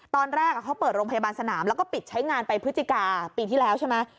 ตอนแรกเขาเปิดโรงพยาบาลสนามแล้วก็ปิดใช้งานไปพฤศจิกาปีที่แล้วใช่ไหม